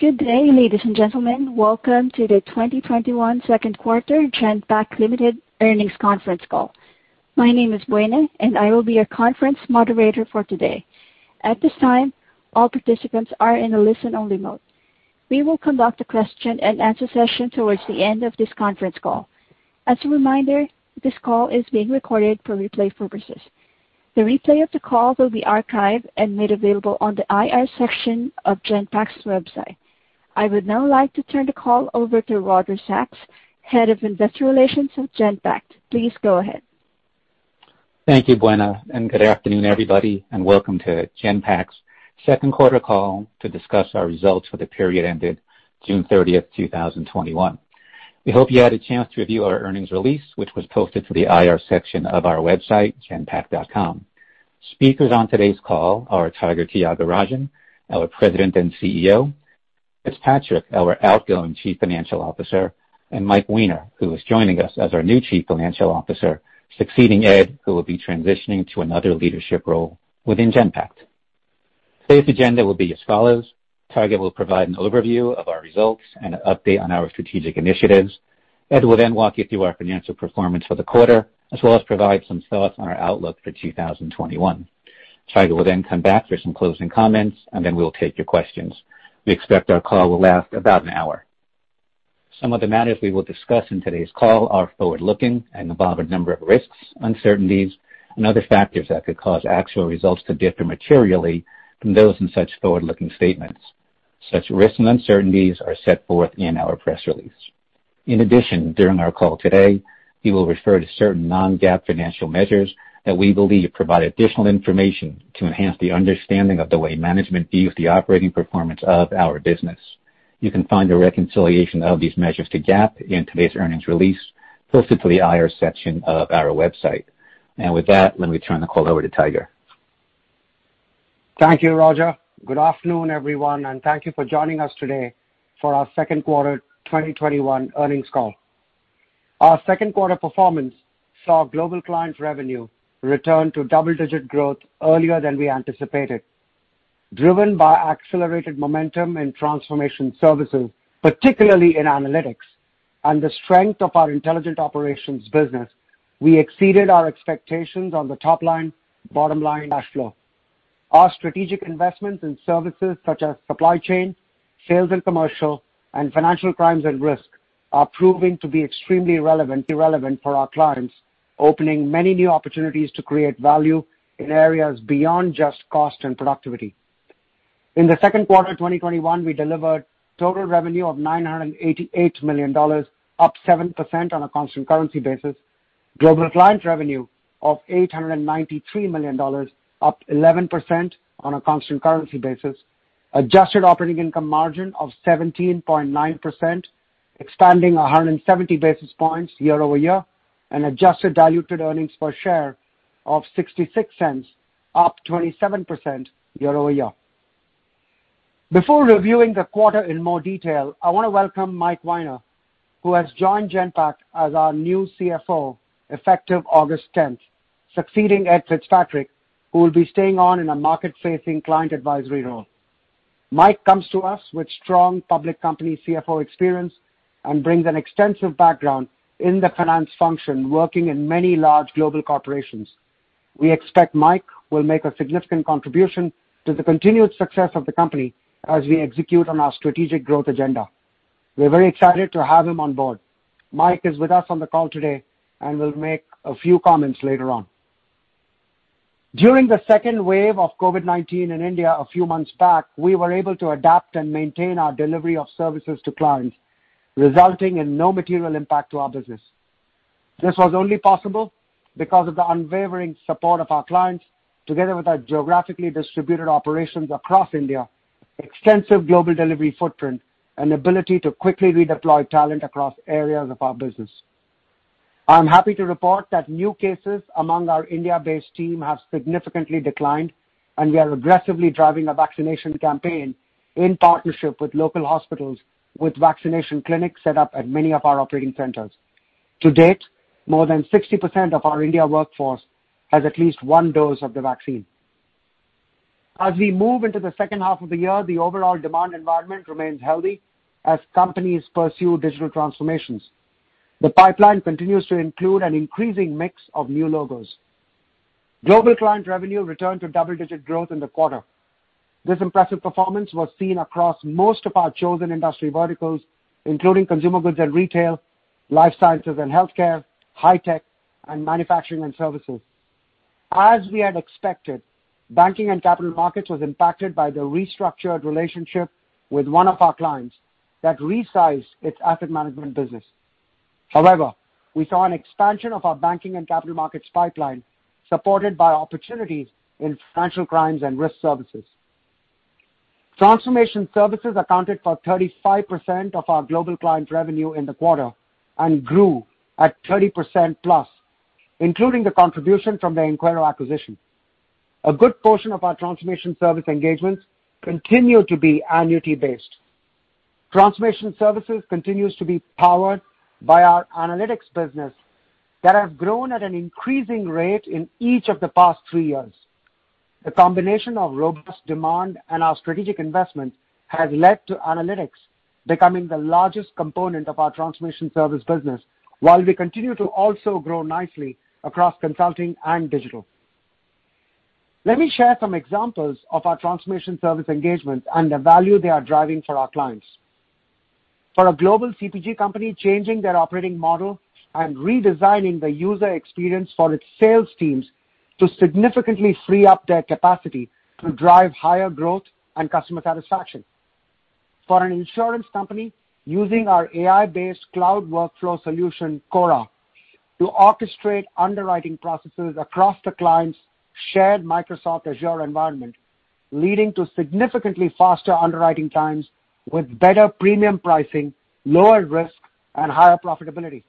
Good day, ladies and gentlemen. Welcome to the 2021 second-quarter Genpact Ltd earnings conference call. My name is Buena, and I will be your conference moderator for today. At this time, all participants are in a listen-only mode. We will conduct a question-and-answer session towards the end of this conference call. As a reminder, this call is being recorded for replay purposes. The replay of the call will be archived and made available on the IR section of Genpact's website. I would now like to turn the call over to Roger Sachs, Head of Investor Relations at Genpact. Please go ahead. Thank you, Buena. Good afternoon, everybody. Welcome to Genpact's second quarter call to discuss our results for the period ended June 30th, 2021. We hope you had a chance to review our earnings release, which was posted to the IR section of our website, genpact.com. Speakers on today's call are Tiger Tyagarajan, our President and CEO, Ed Fitzpatrick, our outgoing Chief Financial Officer, Mike Weiner, who is joining us as our new Chief Financial Officer, succeeding Ed, who will be transitioning to another leadership role within Genpact. Today's agenda will be as follows: Tiger will provide an overview of our results and an update on our strategic initiatives. Ed will then walk you through our financial performance for the quarter, as well as provide some thoughts on our outlook for 2021. Tiger will then come back for some closing comments. Then we'll take your questions. We expect our call will last about an hour. Some of the matters we will discuss in today's call are forward-looking and involve a number of risks, uncertainties, and other factors that could cause actual results to differ materially from those in such forward-looking statements. Such risks and uncertainties are set forth in our press release. In addition, during our call today, we will refer to certain non-GAAP financial measures that we believe provide additional information to enhance the understanding of the way management views the operating performance of our business. You can find a reconciliation of these measures to GAAP in today's earnings release posted to the IR section of our website. With that, let me turn the call over to Tiger. Thank you, Roger. Good afternoon, everyone, and thank you for joining us today for our second quarter 2021 earnings call. Our second quarter performance saw global client revenue return to double-digit growth earlier than we anticipated. Driven by accelerated momentum in transformation services, particularly in analytics, and the strength of our intelligent operations business, we exceeded our expectations on the top line, bottom line, cash flow. Our strategic investments in services such as supply chain, sales and commercial, and financial crimes and risk are proving to be extremely relevant for our clients, opening many new opportunities to create value in areas beyond just cost and productivity. In the second quarter of 2021, we delivered total revenue of $988 million, up 7% on a constant currency basis. Global client revenue of $893 million, up 11% on a constant currency basis. Adjusted operating income margin of 17.9%, expanding 170 basis points year-over-year. Adjusted diluted earnings per share of $0.66, up 27% year-over-year. Before reviewing the quarter in more detail, I want to welcome Mike Weiner, who has joined Genpact as our new CFO effective August 10th, succeeding Ed Fitzpatrick, who will be staying on in a market-facing client advisory role. Mike comes to us with strong public company CFO experience and brings an extensive background in the finance function, working in many large global corporations. We expect Mike will make a significant contribution to the continued success of the company as we execute on our strategic growth agenda. We're very excited to have him on board. Mike is with us on the call today and will make a few comments later on. During the second wave of COVID-19 in India a few months back, we were able to adapt and maintain our delivery of services to clients, resulting in no material impact to our business. This was only possible because of the unwavering support of our clients, together with our geographically distributed operations across India, extensive global delivery footprint, and ability to quickly redeploy talent across areas of our business. I'm happy to report that new cases among our India-based team have significantly declined, and we are aggressively driving a vaccination campaign in partnership with local hospitals, with vaccination clinics set up at many of our operating centers. To date, more than 60% of our India workforce has at least one dose of the vaccine. As we move into the second half of the year, the overall demand environment remains healthy as companies pursue digital transformations. The pipeline continues to include an increasing mix of new logos. Global client revenue returned to double-digit growth in the quarter. This impressive performance was seen across most of our chosen industry verticals, including consumer goods and retail, life sciences and healthcare, high-tech, and manufacturing and services. As we had expected, banking and capital markets was impacted by the restructured relationship with one of our clients that resized its asset management business. We saw an expansion of our banking and capital markets pipeline, supported by opportunities in financial crimes and risk services. Transformation services accounted for 35% of our global client revenue in the quarter and grew at 30%+, including the contribution from the Enquero acquisition. A good portion of our transformation service engagements continue to be annuity-based. Transformation services continues to be powered by our analytics business, that have grown at an increasing rate in each of the past three years. The combination of robust demand and our strategic investment has led to analytics becoming the largest component of our transformation service business, while we continue to also grow nicely across consulting and digital. Let me share some examples of our transformation service engagements and the value they are driving for our clients. For a global CPG company changing their operating model and redesigning the user experience for its sales teams to significantly free up their capacity to drive higher growth and customer satisfaction. For an insurance company using our AI-based cloud workflow solution, Cora, to orchestrate underwriting processes across the client's shared Microsoft Azure environment, leading to significantly faster underwriting times with better premium pricing, lower risk, and higher profitability.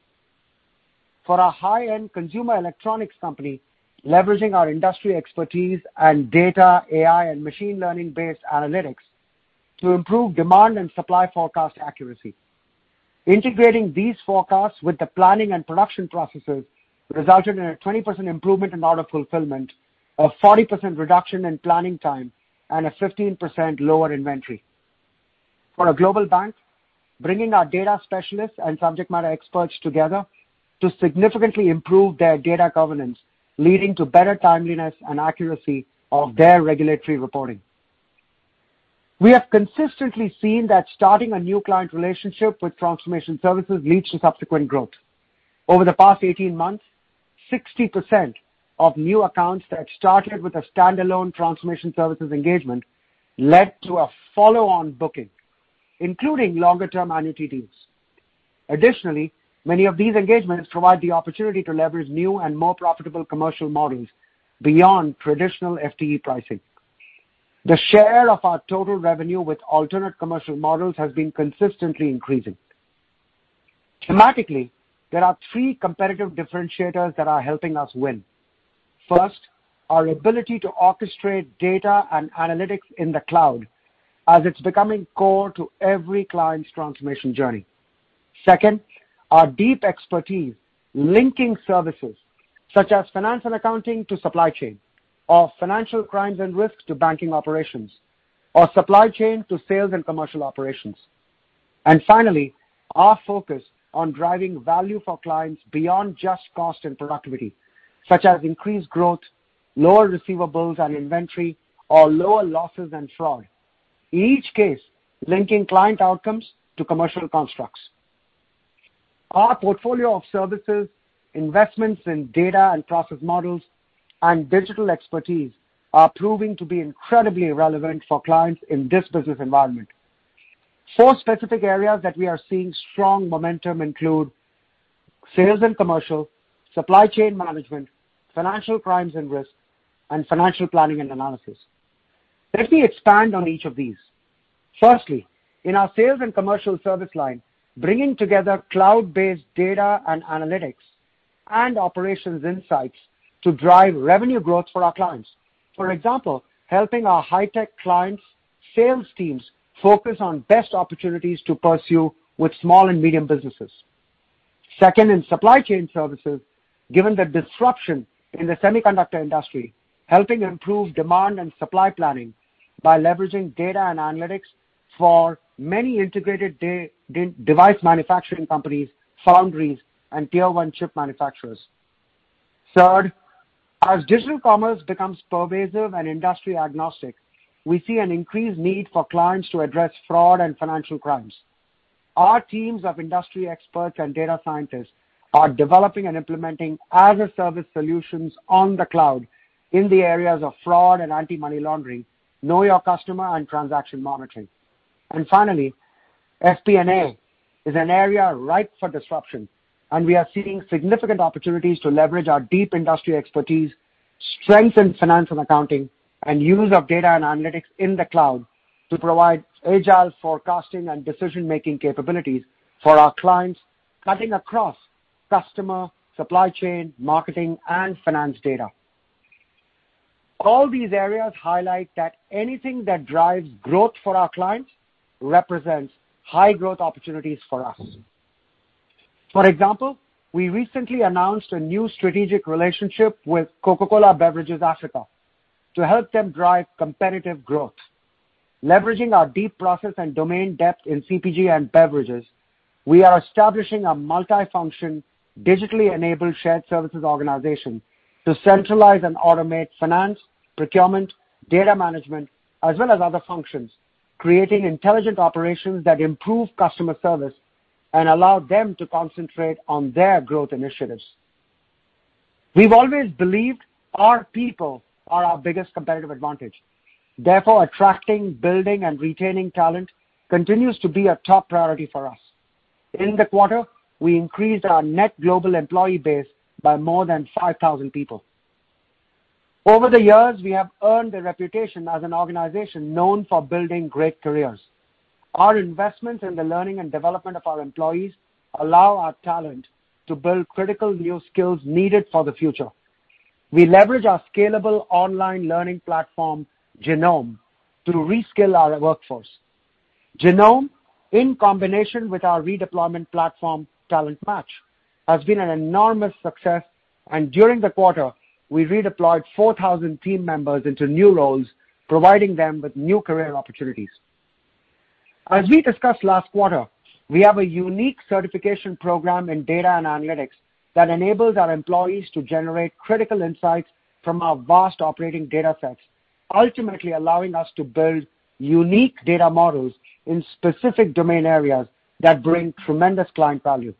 For a high-end consumer electronics company, leveraging our industry expertise and data, AI, and machine learning-based analytics to improve demand and supply forecast accuracy. Integrating these forecasts with the planning and production processes resulted in a 20% improvement in order fulfillment, a 40% reduction in planning time, and a 15% lower inventory. For a global bank, bringing our data specialists and subject matter experts together to significantly improve their data governance, leading to better timeliness and accuracy of their regulatory reporting. We have consistently seen that starting a new client relationship with transformation services leads to subsequent growth. Over the past 18 months, 60% of new accounts that started with a stand-alone transformation services engagement led to a follow-on booking, including longer-term annuity deals. Additionally, many of these engagements provide the opportunity to leverage new and more profitable commercial models beyond traditional FTE pricing. The share of our total revenue with alternate commercial models has been consistently increasing. Thematically, there are three competitive differentiators that are helping us win. First, our ability to orchestrate data and analytics in the cloud as it's becoming core to every client's transformation journey. Second, our deep expertise linking services such as finance and accounting to supply chain, or financial crimes and risks to banking operations, or supply chain to sales and commercial operations. Finally, our focus on driving value for clients beyond just cost and productivity, such as increased growth, lower receivables and inventory, or lower losses and fraud. In each case, linking client outcomes to commercial constructs. Our portfolio of services, investments in data and process models, and digital expertise are proving to be incredibly relevant for clients in this business environment. Four specific areas that we are seeing strong momentum include sales and commercial, supply chain management, financial crimes and risks, and financial planning and analysis. Let me expand on each of these. Firstly, in our sales and commercial service line, bringing together cloud-based data and analytics and operations insights to drive revenue growth for our clients. For example, helping our high-tech clients' sales teams focus on best opportunities to pursue with small and medium businesses. Second, in supply chain services, given the disruption in the semiconductor industry, helping improve demand and supply planning by leveraging data and analytics for many integrated device manufacturing companies, foundries, and tier-one chip manufacturers. Third, as digital commerce becomes pervasive and industry agnostic, we see an increased need for clients to address fraud and financial crimes. Our teams of industry experts and data scientists are developing and implementing as-a-service solutions on the cloud in the areas of fraud and anti-money laundering, know your customer, and transaction monitoring. Finally, FP&A is an area ripe for disruption, and we are seeing significant opportunities to leverage our deep industry expertise, strengthen finance and accounting, and use of data and analytics in the cloud to provide agile forecasting and decision-making capabilities for our clients, cutting across customer, supply chain, marketing, and finance data. All these areas highlight that anything that drives growth for our clients represents high-growth opportunities for us. For example, we recently announced a new strategic relationship with Coca-Cola Beverages Africa to help them drive competitive growth. Leveraging our deep process and domain depth in CPG and beverages, we are establishing a multifunction, digitally enabled shared services organization to centralize and automate finance, procurement, data management, as well as other functions, creating intelligent operations that improve customer service and allow them to concentrate on their growth initiatives. We've always believed our people are our biggest competitive advantage. Therefore, attracting, building, and retaining talent continues to be a top priority for us. In the quarter, we increased our net global employee base by more than 5,000 people. Over the years, we have earned a reputation as an organization known for building great careers. Our investments in the learning and development of our employees allow our talent to build critical new skills needed for the future. We leverage our scalable online learning platform, Genome, to reskill our workforce. Genome, in combination with our redeployment platform, TalentMatch, has been an enormous success, and during the quarter, we redeployed 4,000 team members into new roles, providing them with new career opportunities. As we discussed last quarter, we have a unique certification program in data and analytics that enables our employees to generate critical insights from our vast operating data sets, ultimately allowing us to build unique data models in specific domain areas that bring tremendous client value.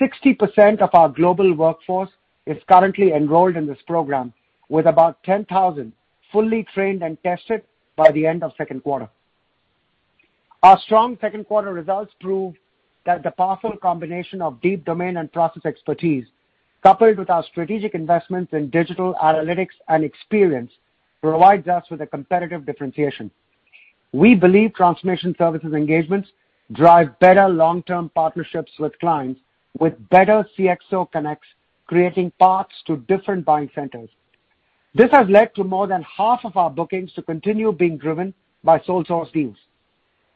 60% of our global workforce is currently enrolled in this program, with about 10,000 fully trained and tested by the end of second quarter. Our strong second-quarter results prove that the powerful combination of deep domain and process expertise, coupled with our strategic investments in digital analytics and experience, provides us with a competitive differentiation. We believe transformation services engagements drive better long-term partnerships with clients, with better CXO connects, creating paths to different buying centers. This has led to more than half of our bookings to continue being driven by sole-source deals.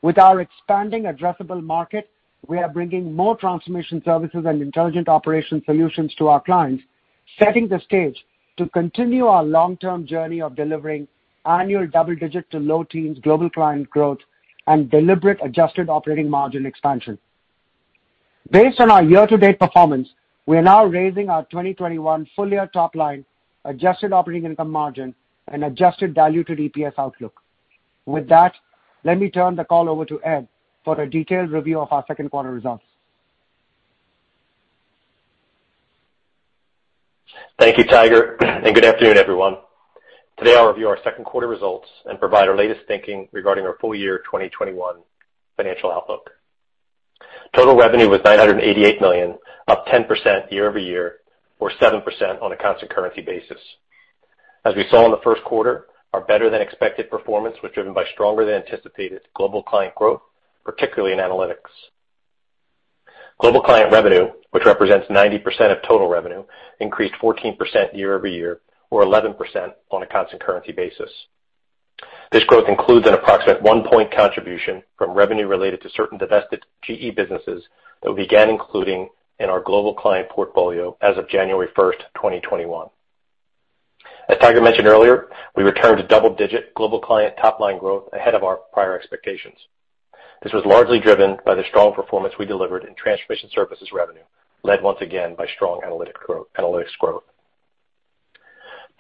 With our expanding addressable market, we are bringing more transformation services and intelligent operation solutions to our clients, setting the stage to continue our long-term journey of delivering annual double-digit to low teens global client growth and deliberate adjusted operating margin expansion. Based on our year-to-date performance, we are now raising our 2021 full-year top line, adjusted operating income margin, and adjusted diluted EPS outlook. With that, let me turn the call over to Ed for a detailed review of our second quarter results. Thank you, Tiger. Good afternoon, everyone. Today, I'll review our second-quarter results and provide our latest thinking regarding our full year 2021 financial outlook. Total revenue was $988 million, up 10% year-over-year, or 7% on a constant currency basis. As we saw in the first quarter, our better-than-expected performance was driven by stronger-than-anticipated global client growth, particularly in analytics. Global client revenue, which represents 90% of total revenue, increased 14% year-over-year, or 11% on a constant currency basis. This growth includes an approximate one-point contribution from revenue related to certain divested GE businesses that we began including in our global client portfolio as of January 1st, 2021. As Tiger mentioned earlier, we returned to double-digit global client top-line growth ahead of our prior expectations. This was largely driven by the strong performance we delivered in transformation services revenue, led once again by strong analytics growth.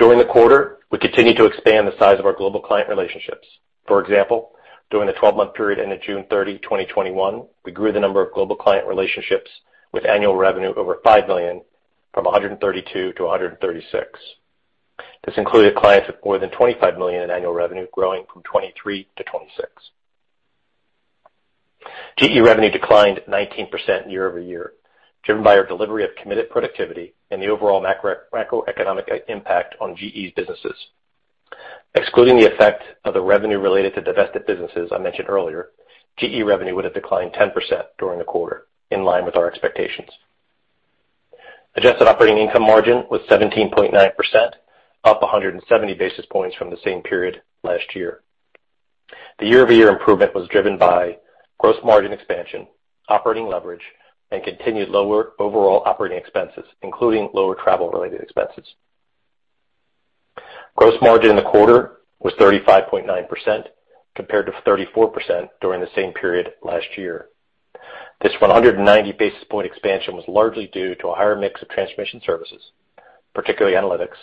During the quarter, we continued to expand the size of our global client relationships. For example, during the 12-month period ending June 30, 2021, we grew the number of global client relationships with annual revenue over $5 million from 132 to 136. This included clients with more than $25 million in annual revenue growing from 23 to 26. GE revenue declined 19% year-over-year, driven by our delivery of committed productivity and the overall macroeconomic impact on GE's businesses. Excluding the effect of the revenue related to divested businesses I mentioned earlier, GE revenue would have declined 10% during the quarter, in line with our expectations. Adjusted operating income margin was 17.9%, up 170 basis points from the same period last year. The year-over-year improvement was driven by gross margin expansion, operating leverage, and continued lower overall operating expenses, including lower travel-related expenses. Gross margin in the quarter was 35.9%, compared to 34% during the same period last year. This 190 basis point expansion was largely due to a higher mix of transformation services, particularly analytics,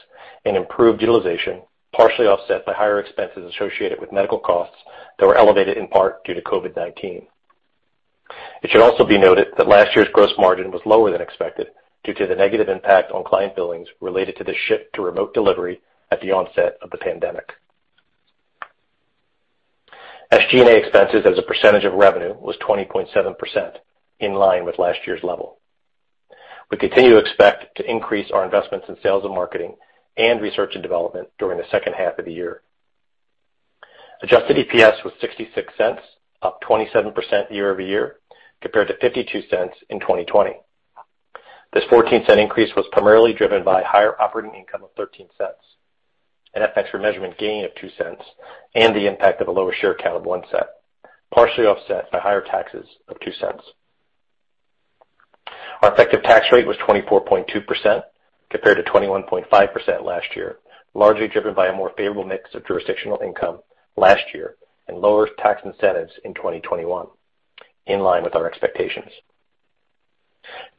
and improved utilization, partially offset by higher expenses associated with medical costs that were elevated in part due to COVID-19. It should also be noted that last year's gross margin was lower than expected due to the negative impact on client billings related to the shift to remote delivery at the onset of the pandemic. SG&A expenses as a percentage of revenue was 20.7%, in line with last year's level. We continue to expect to increase our investments in sales and marketing and research and development during the second half of the year. Adjusted EPS was $0.66, up 27% year-over-year, compared to $0.52 in 2020. This $0.14 increase was primarily driven by higher operating income of $0.13, an FX remeasurement gain of $0.02, and the impact of a lower share count of $0.01, partially offset by higher taxes of $0.02. Our effective tax rate was 24.2% compared to 21.5% last year, largely driven by a more favorable mix of jurisdictional income last year and lower tax incentives in 2021, in line with our expectations.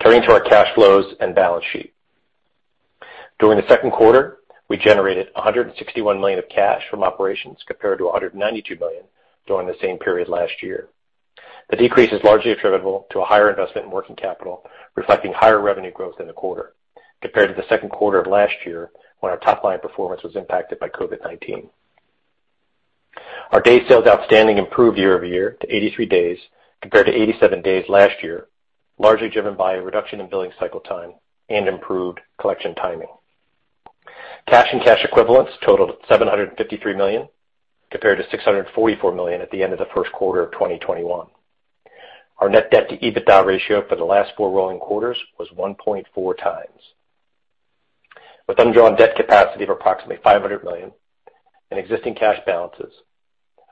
Turning to our cash flows and balance sheet. During the second quarter, we generated $161 million of cash from operations, compared to $192 million during the same period last year. The decrease is largely attributable to a higher investment in working capital, reflecting higher revenue growth in the quarter compared to the second quarter of last year, when our top-line performance was impacted by COVID-19. Our day sales outstanding improved year-over-year to 83 days, compared to 87 days last year, largely driven by a reduction in billing cycle time and improved collection timing. Cash and cash equivalents totaled $753 million, compared to $644 million at the end of the first quarter of 2021. Our net debt to EBITDA ratio for the last four rolling quarters was 1.4x. With undrawn debt capacity of approximately $500 million in existing cash balances,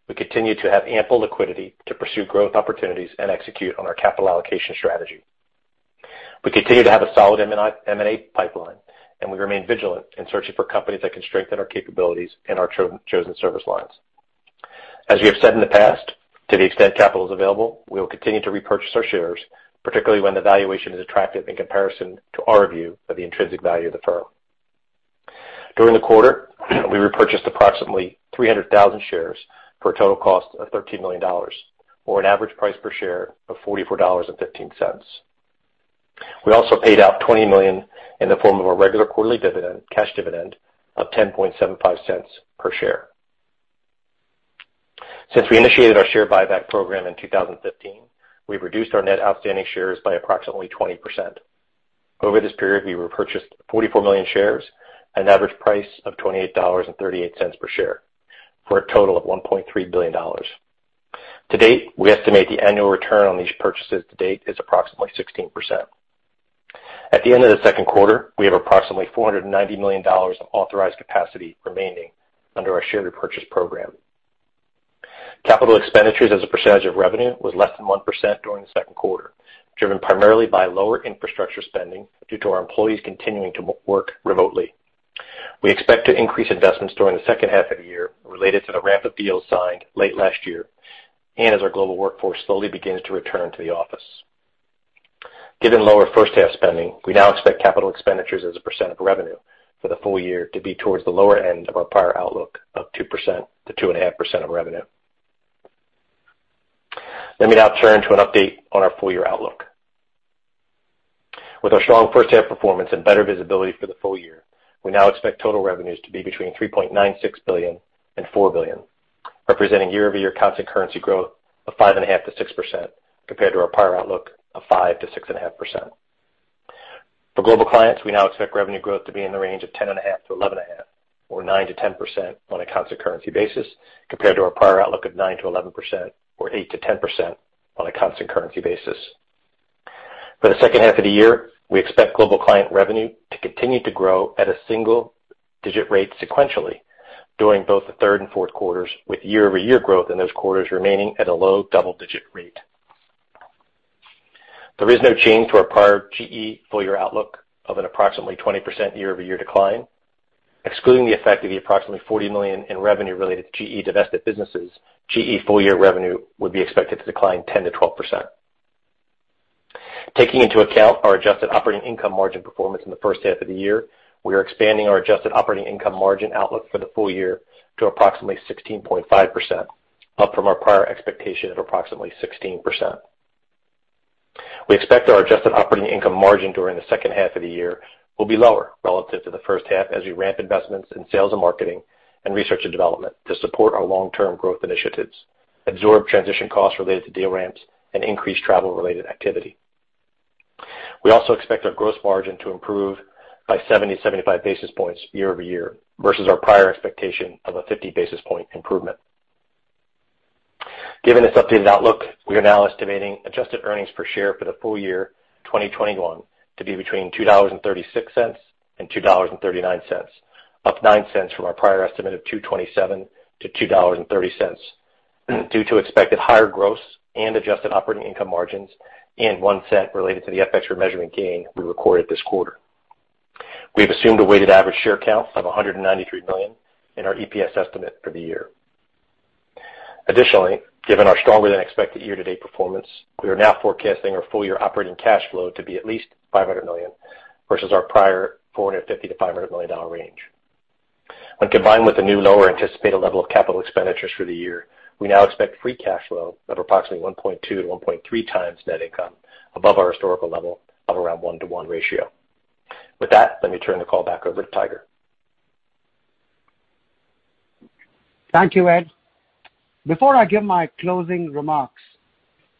we continue to have ample liquidity to pursue growth opportunities and execute on our capital allocation strategy. We continue to have a solid M&A pipeline, and we remain vigilant in searching for companies that can strengthen our capabilities in our chosen service lines. As we have said in the past, to the extent capital is available, we will continue to repurchase our shares, particularly when the valuation is attractive in comparison to our view of the intrinsic value of the firm. During the quarter, we repurchased approximately 300,000 shares for a total cost of $13 million, or an average price per share of $44.15. We also paid out $20 million in the form of a regular quarterly cash dividend of $0.1075 per share. Since we initiated our share buyback program in 2015, we've reduced our net outstanding shares by approximately 20%. Over this period, we repurchased 44 million shares at an average price of $28.38 per share, for a total of $1.3 billion. To date, we estimate the annual return on these purchases to date is approximately 16%. At the end of the second quarter, we have approximately $490 million of authorized capacity remaining under our share repurchase program. Capital expenditures as a percentage of revenue was less than 1% during the second quarter, driven primarily by lower infrastructure spending due to our employees continuing to work remotely. We expect to increase investments during the second half of the year, related to the ramp of deals signed late last year and as our global workforce slowly begins to return to the office. Given lower first-half spending, we now expect capital expenditures as a percent of revenue for the full year to be towards the lower end of our prior outlook of 2%-2.5% of revenue. Let me now turn to an update on our full-year outlook. With our strong first-half performance and better visibility for the full year, we now expect total revenues to be between $3.96 billion and $4 billion, representing year-over-year constant currency growth of 5.5%-6%, compared to our prior outlook of 5%-6.5%. For global clients, we now expect revenue growth to be in the range of 10.5%-11.5%, or 9%-10% on a constant currency basis, compared to our prior outlook of 9%-11%, or 8%-10% on a constant currency basis. For the second half of the year, we expect global client revenue to continue to grow at a single-digit rate sequentially during both the third and fourth quarters, with year-over-year growth in those quarters remaining at a low double-digit rate. There is no change to our prior GE full-year outlook of an approximately 20% year-over-year decline. Excluding the effect of the approximately $40 million in revenue related to GE divested businesses, GE full-year revenue would be expected to decline 10%-12%. Taking into account our adjusted operating income margin performance in the first half of the year, we are expanding our adjusted operating income margin outlook for the full year to approximately 16.5%, up from our prior expectation of approximately 16%. We expect our adjusted operating income margin during the second half of the year will be lower relative to the first half as we ramp investments in sales and marketing and research and development to support our long-term growth initiatives, absorb transition costs related to deal ramps, and increase travel-related activity. We also expect our gross margin to improve by 70-75 basis points year-over-year, versus our prior expectation of a 50 basis point improvement. Given this updated outlook, we are now estimating adjusted earnings per share for the full year 2021 to be between $2.36 and $2.39, up $0.09 from our prior estimate of $2.27-$2.30, due to expected higher gross and adjusted operating income margins and $0.01 related to the FX remeasurement gain we recorded this quarter. We have assumed a weighted average share count of 193 million in our EPS estimate for the year. Additionally, given our stronger-than-expected year-to-date performance, we are now forecasting our full-year operating cash flow to be at least $500 million, versus our prior $450 million-$500 million range. When combined with the new lower anticipated level of capital expenditures for the year, we now expect free cash flow of approximately 1.2x to 1.3x net income, above our historical level of around 1:1 ratio. With that, let me turn the call back over to Tiger. Thank you, Ed. Before I give my closing remarks,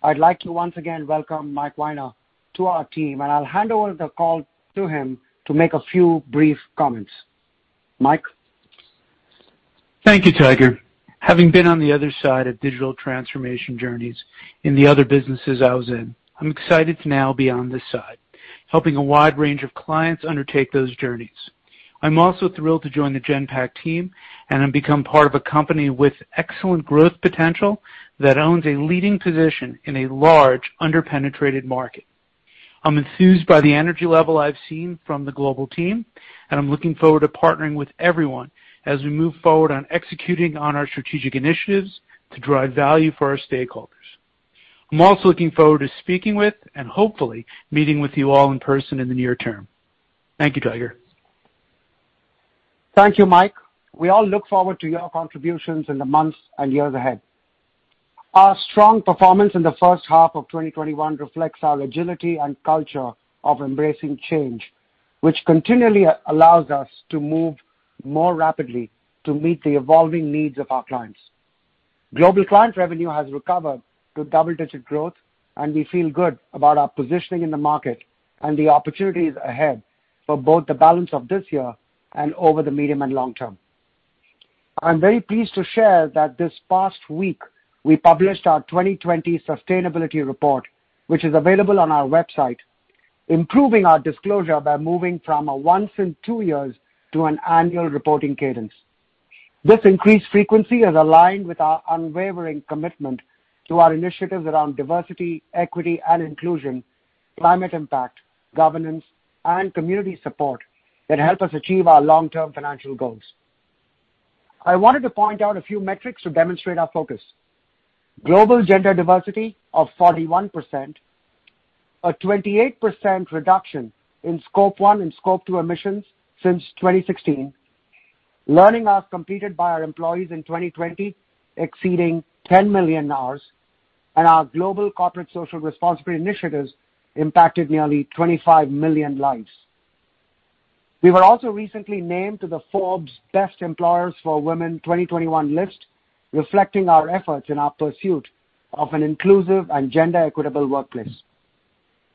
I'd like to once again welcome Mike Weiner to our team, and I'll hand over the call to him to make a few brief comments. Mike? Thank you, Tiger. Having been on the other side of digital transformation journeys in the other businesses I was in, I'm excited to now be on this side, helping a wide range of clients undertake those journeys. I'm also thrilled to join the Genpact team and have become part of a company with excellent growth potential that owns a leading position in a large, under-penetrated market. I'm enthused by the energy level I've seen from the global team, and I'm looking forward to partnering with everyone as we move forward on executing on our strategic initiatives to drive value for our stakeholders. I'm also looking forward to speaking with and hopefully meeting with you all in person in the near term. Thank you, Tiger. Thank you, Mike. We all look forward to your contributions in the months and years ahead. Our strong performance in the first half of 2021 reflects our agility and culture of embracing change, which continually allows us to move more rapidly to meet the evolving needs of our clients. Global client revenue has recovered to double-digit growth, and we feel good about our positioning in the market and the opportunities ahead for both the balance of this year and over the medium and long term. I'm very pleased to share that this past week, we published our 2020 sustainability report, which is available on our website, improving our disclosure by moving from a once-in-two-years to an annual reporting cadence. This increased frequency is aligned with our unwavering commitment to our initiatives around diversity, equity, and inclusion, climate impact, governance, and community support that help us achieve our long-term financial goals. I wanted to point out a few metrics to demonstrate our focus. Global gender diversity of 41%, a 28% reduction in Scope 1 and Scope 2 emissions since 2016, learning hours completed by our employees in 2020 exceeding 10 million hours, and our global corporate social responsibility initiatives impacted nearly 25 million lives. We were also recently named to the Forbes Best Employers for Women 2021 list, reflecting our efforts in our pursuit of an inclusive and gender equitable workplace.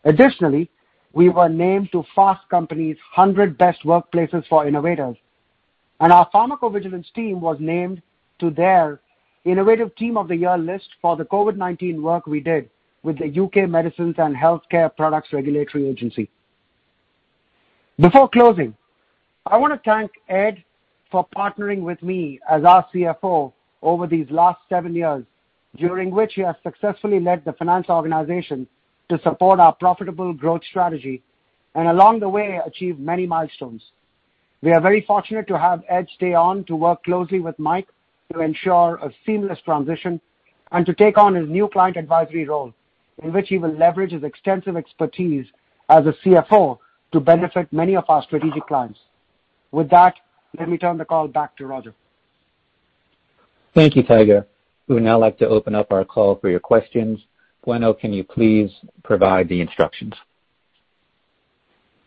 Additionally, we were named to Fast Company's 100 Best Workplaces for Innovators, and our pharmacovigilance team was named to their Innovative Team of the Year list for the COVID-19 work we did with the U.K. Medicines and Healthcare products Regulatory Agency. Before closing, I want to thank Ed for partnering with me as our CFO over these last seven years, during which he has successfully led the finance organization to support our profitable growth strategy and, along the way, achieved many milestones. We are very fortunate to have Ed stay on to work closely with Mike to ensure a seamless transition and to take on his new client advisory role, in which he will leverage his extensive expertise as a CFO to benefit many of our strategic clients. With that, let me turn the call back to Roger. Thank you, Tiger. We would now like to open up our call for your questions. Buena, can you please provide the instructions?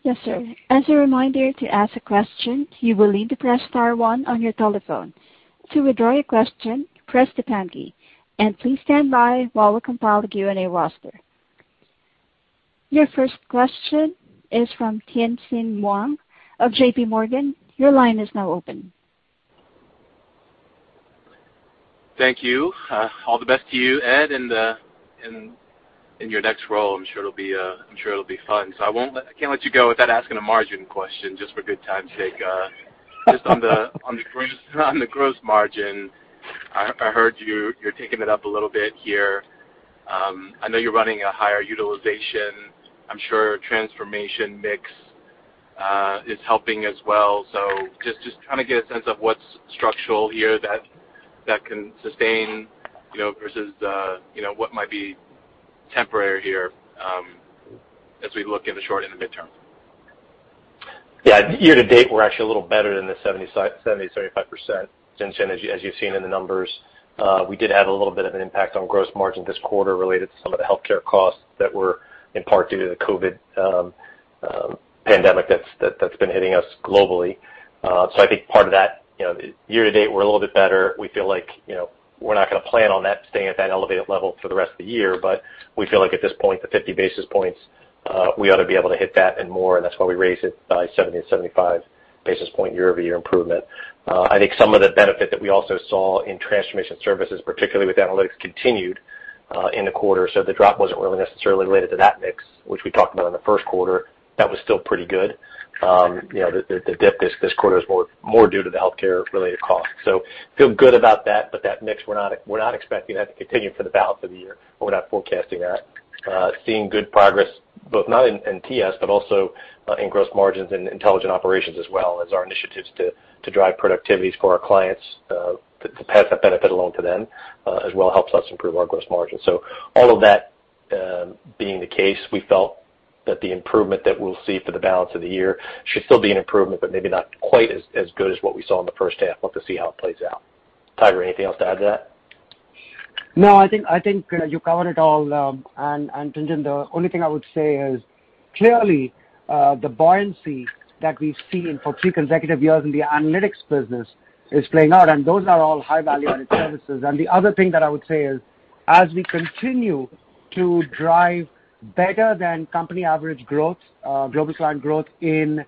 Yes, sir. As a reminder, to ask a question, you will need to press star one on your telephone. To withdraw your question, press the pound key, and please stand by while we compile the Q&A roster. Your first question is from Tien-tsin Huang of JPMorgan. Your line is now open. Thank you. All the best to you, Ed, in your next role. I'm sure it'll be fun. I can't let you go without asking a margin question just for good time sake. Just on the gross margin, I heard you're taking it up a little bit here. I know you're running a higher utilization. I'm sure transformation mix is helping as well. Just trying to get a sense of what's structural here that can sustain versus what might be temporary here, as we look in the short and the midterm. Yeah. Year to date, we're actually a little better than the 70%-75%, Tien-tsin, as you've seen in the numbers. We did have a little bit of an impact on gross margin this quarter, related to some of the healthcare costs that were in part due to the COVID pandemic that's been hitting us globally. I think part of that, year to date, we're a little bit better. We feel like we're not going to plan on that staying at that elevated level for the rest of the year. We feel like at this point, the 50 basis points, we ought to be able to hit that and more, and that's why we raised it by 70-75 basis point year-over-year improvement. I think some of the benefit that we also saw in transformation services, particularly with analytics, continued in the quarter. The drop wasn't really necessarily related to that mix, which we talked about in the first quarter. That was still pretty good. The dip this quarter is more due to the healthcare-related costs. Feel good about that. That mix, we're not expecting that to continue for the balance of the year. We're not forecasting that. Seeing good progress, both not in TS, but also in gross margins and intelligent operations as well as our initiatives to drive productivities for our clients, to pass that benefit along to them, as well helps us improve our gross margin. All of that being the case, we felt that the improvement that we'll see for the balance of the year should still be an improvement, but maybe not quite as good as what we saw in the first half. We'll have to see how it plays out. Tiger, anything else to add to that? No, I think you covered it all. Tien-tsin, the only thing I would say is clearly, the buoyancy that we've seen for three consecutive years in the analytics business is playing out, and those are all high-value-added services. The other thing that I would say is, as we continue to drive better than company average growth, global client growth in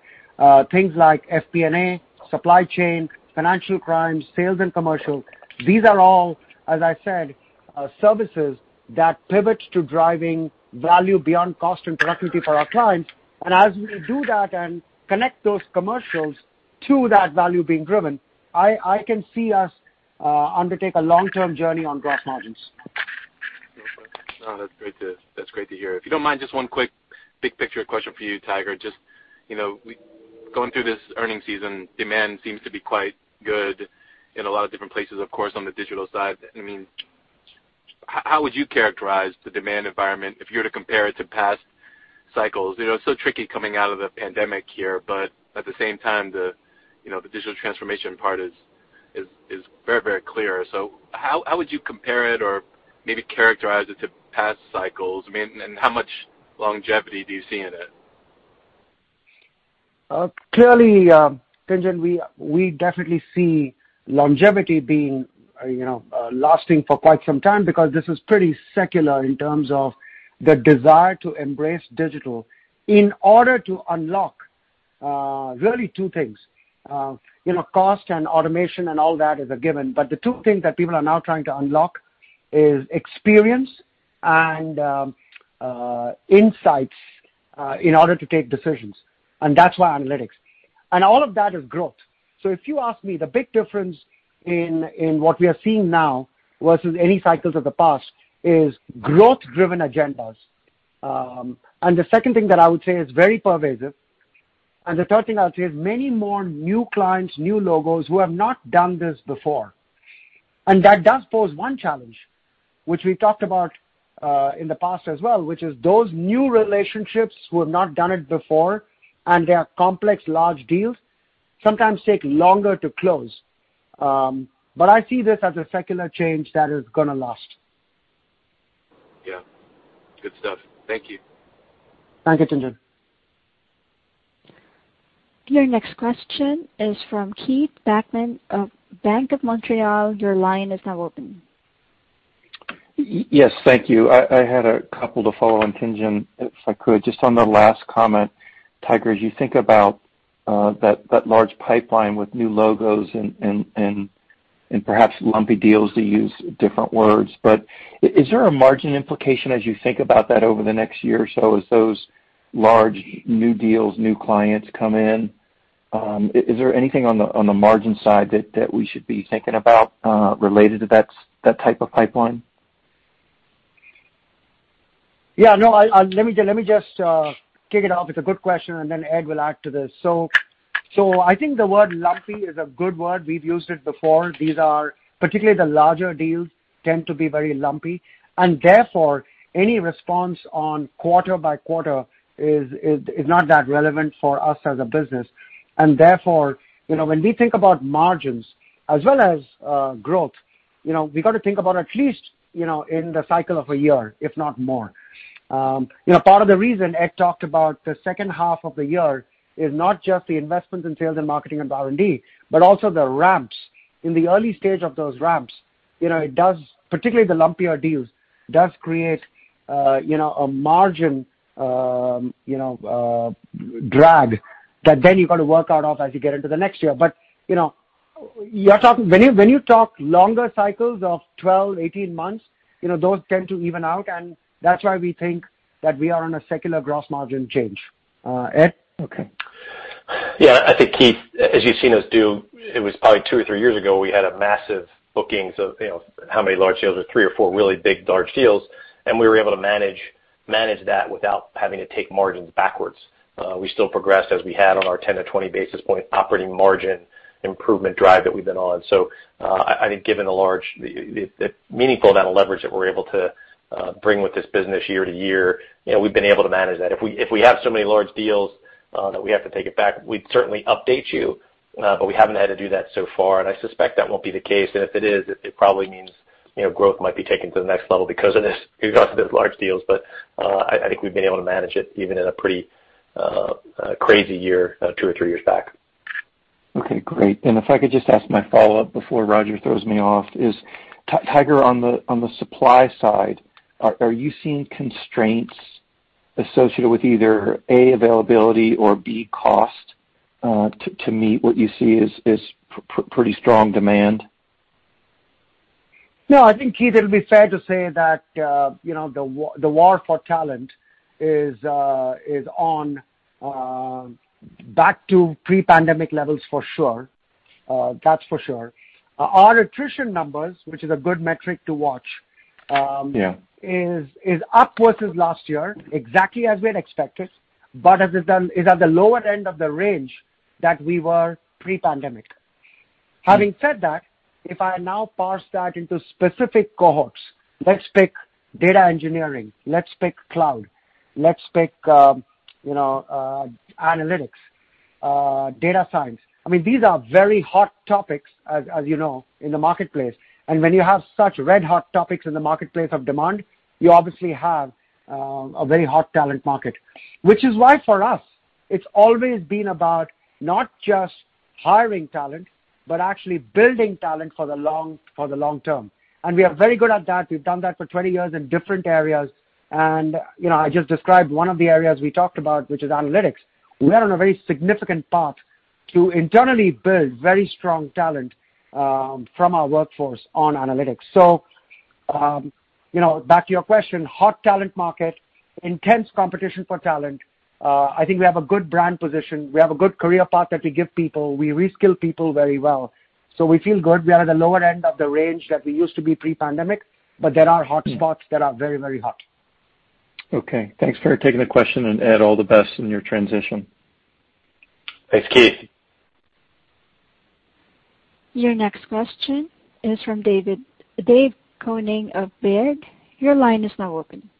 things like FP&A, supply chain, financial crimes, sales, and commercial, these are all, as I said, services that pivot to driving value beyond cost and productivity for our clients. As we do that and connect those commercials to that value being driven, I can see us undertake a long-term journey on gross margins. No, that's great to hear. If you don't mind, just one quick big picture question for you, Tiger. Just going through this earnings season, demand seems to be quite good in a lot of different places, of course, on the digital side. How would you characterize the demand environment if you were to compare it to past cycles? It's so tricky coming out of the pandemic here, but at the same time, the digital transformation part is very clear. How would you compare it or maybe characterize it to past cycles? How much longevity do you see in it? Clearly, Tien-tsin, we definitely see longevity lasting for quite some time because this is pretty secular in terms of the desire to embrace digital in order to unlock really two things. Cost and automation and all that is a given, but the two things that people are now trying to unlock is experience and insights, in order to take decisions. That's why analytics. All of that is growth. If you ask me, the big difference in what we are seeing now versus any cycles of the past is growth-driven agendas. The second thing that I would say is very pervasive, and the third thing I would say is many more new clients, new logos, who have not done this before. That does pose one challenge, which we've talked about in the past as well, which is those new relationships who have not done it before, and they are complex, large deals, sometimes take longer to close. I see this as a secular change that is going to last. Yeah. Good stuff. Thank you. Thank you, Tien-tsin. Your next question is from Keith Bachman of Bank of Montreal. Your line is now open. Yes, thank you. I had a couple to follow on Tien-tsin, if I could. Just on the last comment, Tiger, as you think about that large pipeline with new logos and perhaps lumpy deals, to use different words, is there a margin implication as you think about that over the next year or so, as those large, new deals, new clients come in? Is there anything on the margin side that we should be thinking about related to that type of pipeline? Yeah, no. Let me just kick it off. It's a good question. Ed will add to this. I think the word lumpy is a good word. We've used it before. Particularly, the larger deals tend to be very lumpy. Any response on quarter by quarter is not that relevant for us as a business. When we think about margins as well as growth, we got to think about at least, in the cycle of a year, if not more. Part of the reason Ed talked about the second half of the year is not just the investments in sales and marketing and R&D, but also the ramps. In the early stage of those ramps, particularly the lumpier deals, does create a margin drag that then you got to work out of as you get into the next year. When you talk longer cycles of 12, 18 months, those tend to even out, and that's why we think that we are on a secular gross margin change. Ed? Okay. Yeah, I think, Keith, as you've seen us do, it was probably two or three years ago, we had a massive bookings of how many large deals, or three or four really big, large deals, and we were able to manage that without having to take margins backwards. We still progressed as we had on our 10 to 20 basis point operating margin improvement drive that we've been on. I think, given the meaningful amount of leverage that we're able to bring with this business year to year, we've been able to manage that. If we have so many large deals that we have to take it back, we'd certainly update you. We haven't had to do that so far, and I suspect that won't be the case. If it is, it probably means growth might be taken to the next level because of those large deals. I think we've been able to manage it, even in a pretty crazy year two or three years back. Okay, great. If I could just ask my follow-up before Roger throws me off. Tiger, on the supply side, are you seeing constraints associated with either A, availability or, B, cost to meet what you see as pretty strong demand? No, I think, Keith, it will be fair to say that the war for talent is on back to pre-pandemic levels, for sure. That is for sure. Our attrition numbers which is a good metric to watch, is up versus last year, exactly as we had expected. Is at the lower end of the range that we were pre-pandemic. Having said that, if I now parse that into specific cohorts. Let's pick data engineering, let's pick cloud, let's pick analytics, data science. These are very hot topics, as you know, in the marketplace. When you have such red-hot topics in the marketplace of demand, you obviously have a very hot talent market. Which is why, for us, it's always been about not just hiring talent but actually building talent for the long term. We are very good at that. We've done that for 20 years in different areas. I just described one of the areas we talked about, which is analytics. We are on a very significant path to internally build very strong talent from our workforce on analytics. Back to your question, hot talent market, intense competition for talent. I think we have a good brand position. We have a good career path that we give people. We reskill people very well. We feel good. We are at the lower end of the range that we used to be pre-pandemic. There are hot spots that are very, very hot. Okay. Thanks for taking the question, and Ed, all the best in your transition. Thanks, Keith. Your next question is from Dave Koning of Baird. Your line is now open.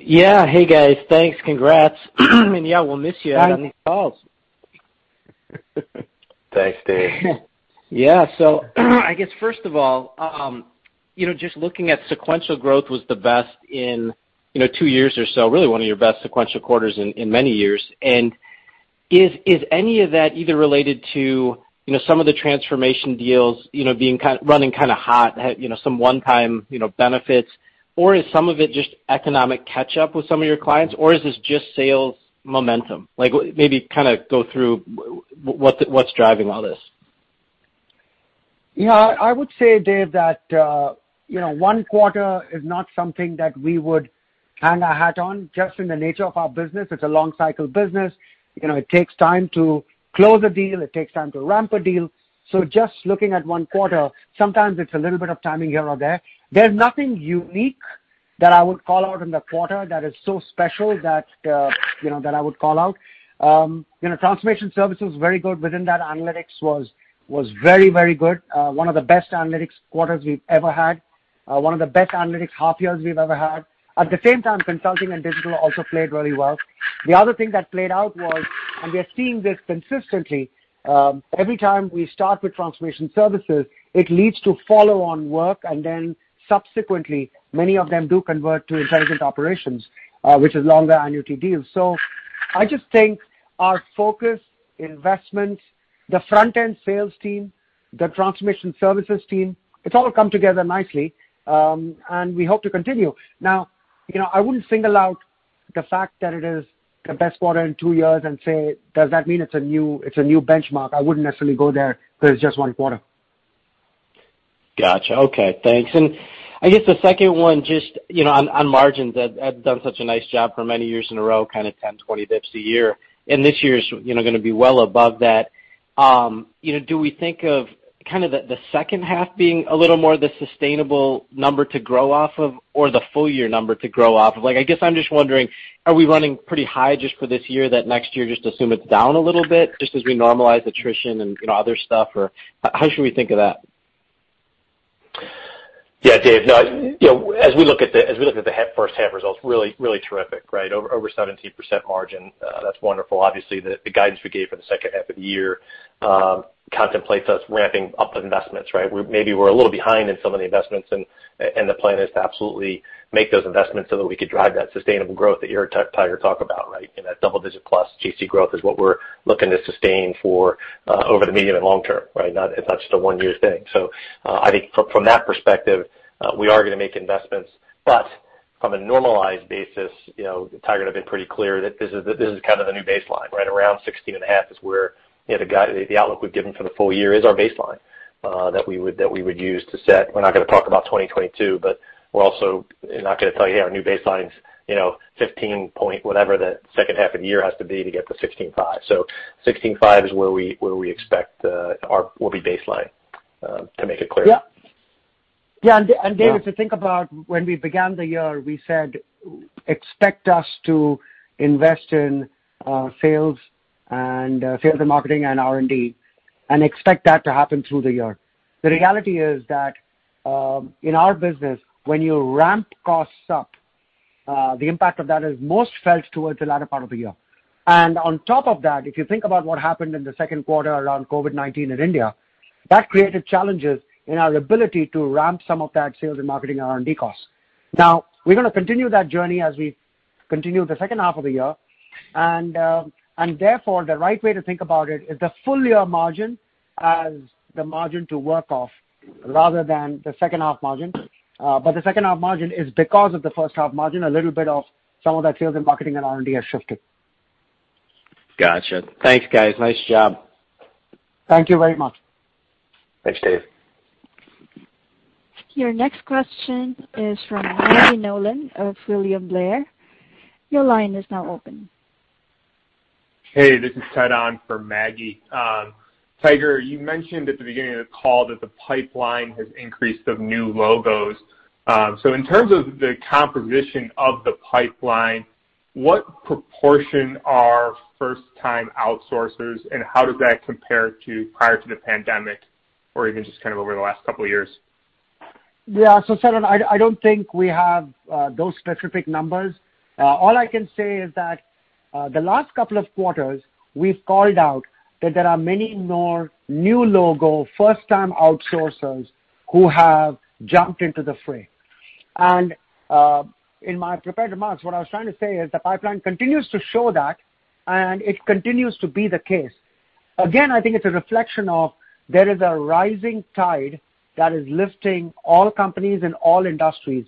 Yeah. Hey, guys. Thanks. Congrats. Yeah, we'll miss you on these calls. Thanks, Dave. Yeah. I guess first of all, just looking at sequential growth was the best in two years or so, really one of your best sequential quarters in many years. Is any of that either related to some of the transformation deals running kind of hot, some one-time benefits, or is some of it just economic catch-up with some of your clients, or is this just sales momentum? Maybe go through what's driving all this. Yeah. I would say, Dave, that one quarter is not something that we would hang our hat on, just in the nature of our business. It's a long-cycle business. It takes time to close a deal. It takes time to ramp a deal. Just looking at one quarter, sometimes it's a little bit of timing here or there. There's nothing unique that I would call out in the quarter that is so special that I would call out. Transformation services, very good. Within that, analytics was very good. One of the best analytics quarters we've ever had. One of the best analytics half years we've ever had. At the same time, consulting and digital also played really well. The other thing that played out was, we are seeing this consistently; every time we start with transformation services, it leads to follow-on work. Subsequently, many of them do convert to intelligent operations, which is longer annuity deals. I just think our focus, investments, the front-end sales team, the transformation services team, it's all come together nicely. We hope to continue. Now, I wouldn't single out the fact that it is the best quarter in two years and say, "Does that mean it's a new benchmark?" I wouldn't necessarily go there, because it's just one quarter. Got you. Okay, thanks. I guess the second one, just on margins, Ed done such a nice job for many years in a row, kind of 10, 20 dips a year. This year's going to be well above that. Do we think of the second half being a little more the sustainable number to grow off of, or the full-year number to grow off of? I guess I'm just wondering, are we running pretty high just for this year, that next year just assume it's down a little bit, just as we normalize attrition and other stuff, or how should we think of that? Dave. As we look at the first half results, really terrific, right? Over 17% margin. That's wonderful. Obviously, the guidance we gave for the second half of the year contemplates us ramping up investments, right? Maybe we're a little behind in some of the investments, the plan is to absolutely make those investments so that we could drive that sustainable growth that you heard Tiger talk about, right? That double-digit plus GC growth is what we're looking to sustain for over the medium and long term, right? It's not just a one-year thing. I think from that perspective, we are going to make investments. From a normalized basis, Tiger had been pretty clear that this is kind of the new baseline, right? Around 16.5 is where the outlook we've given for the full year is our baseline that we would use. We're not going to talk about 2022, but we're also not going to tell you our new baseline's 15. Whatever the second half of the year has to be to get to 16.5. 16.5 is where we expect will be baseline, to make it clear. Yeah. Dave, if you think about when we began the year, we said, "Expect us to invest in sales and marketing and R&D, and expect that to happen through the year." The reality is that, in our business, when you ramp costs up, the impact of that is most felt towards the latter part of the year. On top of that, if you think about what happened in the second quarter around COVID-19 in India, that created challenges in our ability to ramp some of that sales and marketing and R&D costs. Now, we're going to continue that journey as we continue the second half of the year. Therefore, the right way to think about it is the full year margin as the margin to work off, rather than the second half margin. The second half margin is because of the first half margin, a little bit of some of that sales and marketing and R&D has shifted. Got you. Thanks, guys. Nice job. Thank you very much. Thanks, Dave. Your next question is from Maggie Nolan of William Blair. Your line is now open. Hey, this is Ted on for Maggie. Tiger, you mentioned at the beginning of the call that the pipeline has increased of new logos. In terms of the composition of the pipeline, what proportion are first-time outsourcers, and how does that compare to prior to the pandemic, or even just over the last couple of years? Yeah. Ted, I don't think we have those specific numbers. All I can say is that the last couple of quarters, we've called out that there are many more new logo, first-time outsourcers who have jumped into the fray. In my prepared remarks, what I was trying to say is the pipeline continues to show that, and it continues to be the case. Again, I think it's a reflection of there is a rising tide that is lifting all companies and all industries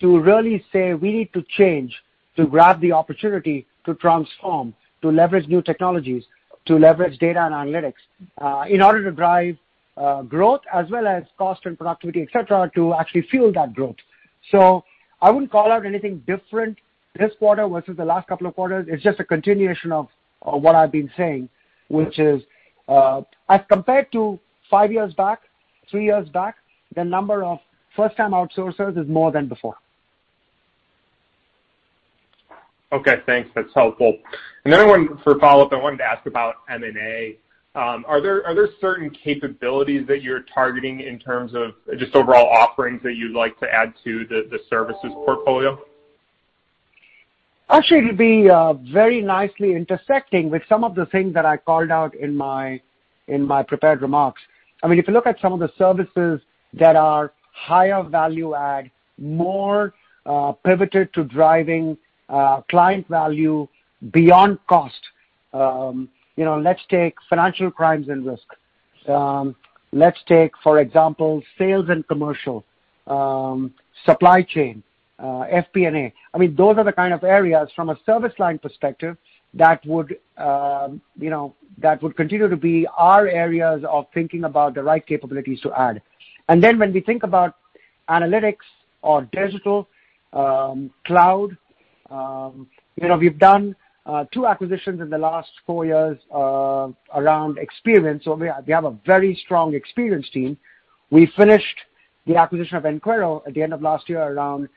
to really say, "We need to change to grab the opportunity to transform, to leverage new technologies, to leverage data and analytics, in order to drive growth as well as cost and productivity, et cetera, to actually fuel that growth." I wouldn't call out anything different this quarter versus the last couple of quarters. It's just a continuation of what I've been saying, which is, as compared to five years back, three years back, the number of first-time outsourcers is more than before. Okay, thanks. That's helpful. Another one for follow-up, I wanted to ask about M&A. Are there certain capabilities that you're targeting in terms of just overall offerings that you'd like to add to the services portfolio? Actually, it'll be very nicely intersecting with some of the things that I called out in my prepared remarks. If you look at some of the services that are higher value add, more pivoted to driving client value beyond cost. Let's take financial crimes and risk. Let's take, for example, sales and commercial, supply chain, FP&A. When we think about analytics or digital, cloud, we've done two acquisitions in the last four years around experience. We have a very strong experience team. We finished the acquisition of Enquero at the end of last year, around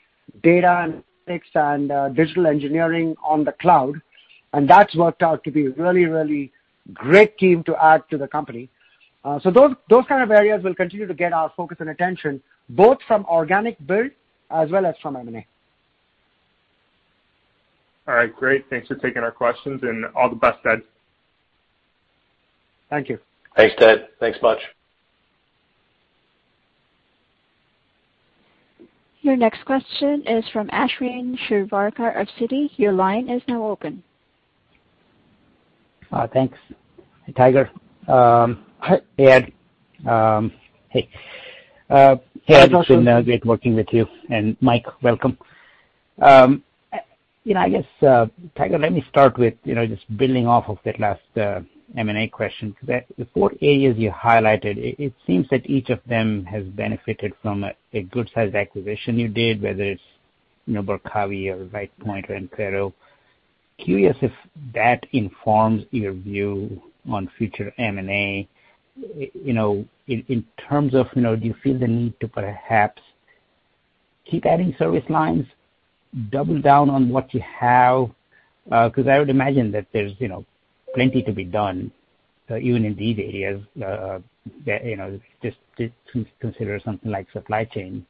data analytics and digital engineering on the cloud, and that's worked out to be a really great team to add to the company. Those kind of areas will continue to get our focus and attention, both from organic build as well as from M&A. All right, great. Thanks for taking our questions, and all the best, Ed. Thank you. Thanks, Ted. Thanks much. Your next question is from Ashwin Shirvaikar of Citi. Your line is now open. Thanks. Tiger. Ed. Hey. Hi, Ashwin. Ed, it's been great working with you. Mike, welcome. Tiger, let me start with just building off of that last M&A question. The four areas you highlighted, it seems that each of them has benefited from a good-sized acquisition you did, whether it's Barkawi or Rightpoint or Enquero. Curious if that informs your view on future M&A, in terms of, do you feel the need to perhaps keep adding service lines, double down on what you have? I would imagine that there's plenty to be done, even in these areas. Just consider something like supply chain.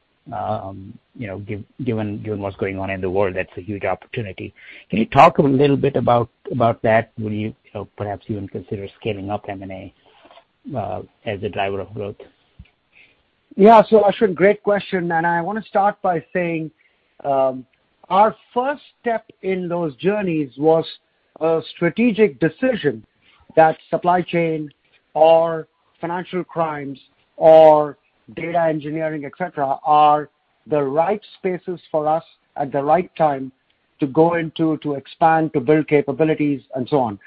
Given what's going on in the world, that's a huge opportunity. Can you talk a little bit about that? Will you perhaps even consider scaling up M&A as a driver of growth? Yeah. Ashwin, great question. I want to start by saying, our first step in those journeys was a strategic decision that supply chain or financial crimes or data engineering, et cetera, are the right spaces for us at the right time to go into, to expand, to build capabilities, and so on.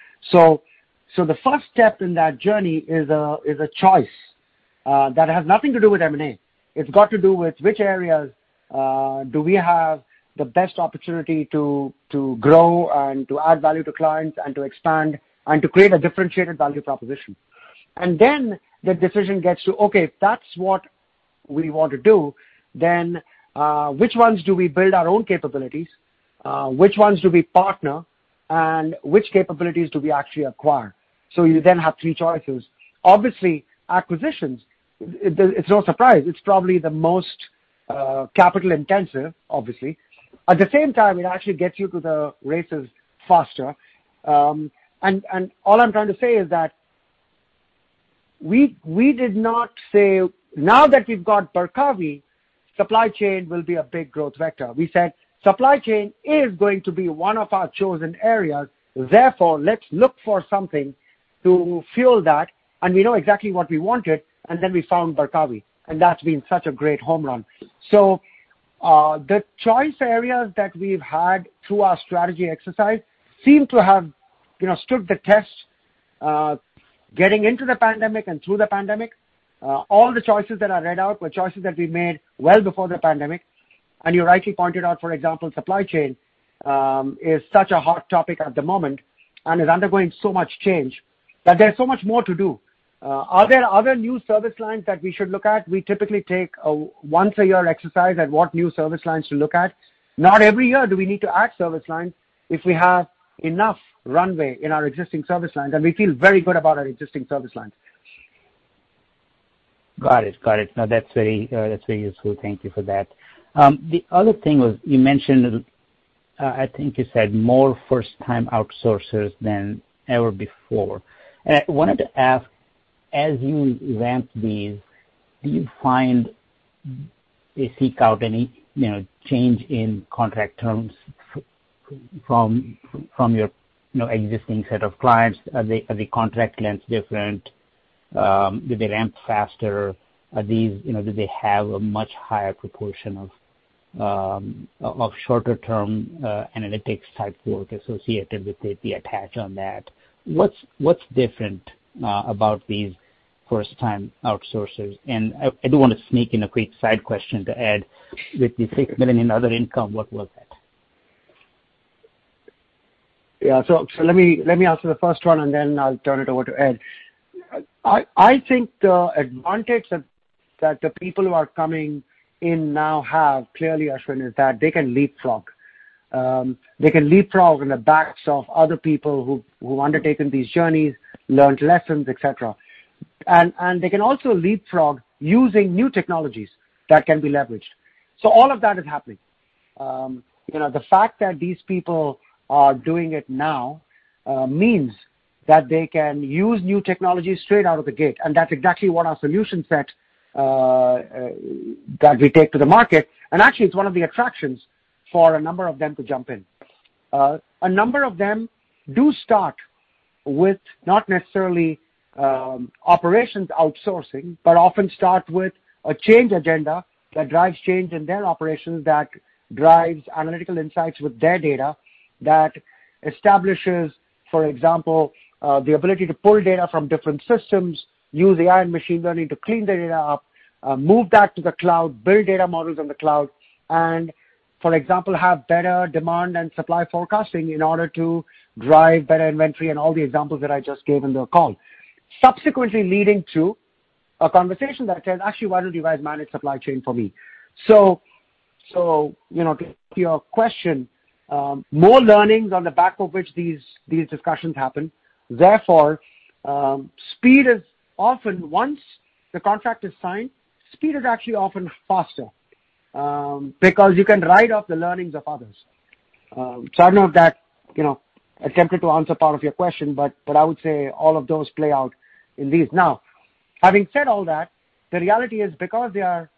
The first step in that journey is a choice that has nothing to do with M&A. It's got to do with which areas do we have the best opportunity to grow and to add value to clients and to expand and to create a differentiated value proposition. Then the decision gets to, okay, if that's what we want to do, then which ones do we build our own capabilities? Which ones do we partner, and which capabilities do we actually acquire? You then have three choices. Obviously, acquisitions, it's no surprise, it's probably the most capital-intensive, obviously. At the same time, it actually gets you to the races faster. All I'm trying to say is that we did not say, "Now that we've got Barkawi, supply chain will be a big growth vector." We said, "Supply chain is going to be one of our chosen areas; therefore, let's look for something to fuel that." We know exactly what we wanted, and then we found Barkawi. That's been such a great home run. The choice areas that we've had through our strategy exercise seem to have stood the test. Getting into the pandemic and through the pandemic, all the choices that I read out were choices that we made well before the pandemic. You rightly pointed out, for example, supply chain is such a hot topic at the moment and is undergoing so much change that there's so much more to do. Are there other new service lines that we should look at? We typically take a once-a-year exercise at what new service lines to look at. Not every year do we need to add service lines if we have enough runway in our existing service lines, and we feel very good about our existing service lines. Got it. No, that's very useful. Thank you for that. The other thing was, you mentioned, I think you said more first-time outsourcers than ever before. I wanted to ask, as you ramp these, do you find they seek out any change in contract terms from your existing set of clients? Are the contract lengths different? Do they ramp faster? Do they have a much higher proportion of shorter-term analytics-type work associated with the attach on that? What's different about these first-time outsourcers? I do want to sneak in a quick side question to Ed. With the $6 million in other income, what was that? Yeah. Let me answer the first one, and then I'll turn it over to Ed. I think the advantage that the people who are coming in now have, clearly, Ashwin, is that they can leapfrog. They can leapfrog on the backs of other people who've undertaken these journeys, learnt lessons, et cetera. They can also leapfrog using new technologies that can be leveraged. All of that is happening. The fact that these people are doing it now means that they can use new technologies straight out of the gate, and that's exactly what our solution set that we take to the market. Actually, it's one of the attractions for a number of them to jump in. A number of them do start with not necessarily operations outsourcing, but often start with a change agenda that drives change in their operations, that drives analytical insights with their data, that establishes, for example, the ability to pull data from different systems, use AI and machine learning to clean the data up, move that to the cloud, build data models on the cloud, and, for example, have better demand and supply forecasting in order to drive better inventory and all the examples that I just gave in the call. Subsequently, leading to a conversation that says, "Actually, why don't you guys manage supply chain for me?" To your question, more learnings on the back of which these discussions happen. Once the contract is signed, speed is actually often faster, because you can ride off the learnings of others. I don't know if that attempted to answer part of your question, but I would say all of those play out in these. Having said all that, the reality is because they are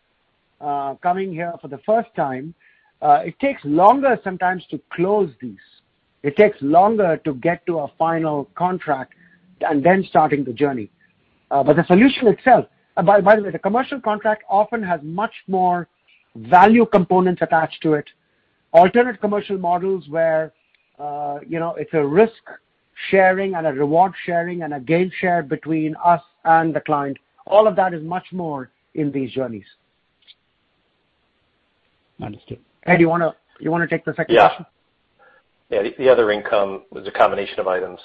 coming here for the first time, it takes longer sometimes to close these. It takes longer to get to a final contract and then starting the journey. By the way, the commercial contract often has much more value components attached to it, alternate commercial models where it's a risk sharing and a reward sharing and a gain share between us and the client. All of that is much more in these journeys. Understood. Ed, you want to take the second question? Yeah. The other income was a combination of items,